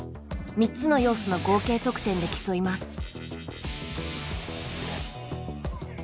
３つの要素の合計得点で競います。